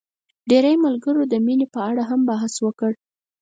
ډېری ملګرو د مينې په اړه هم بحث وکړ.